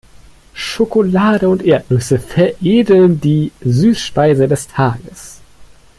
Schokolade und Erdnüsse veredeln die Süßspeise des Tages.